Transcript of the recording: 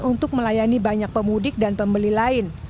untuk melayani banyak pemudik dan pembeli lain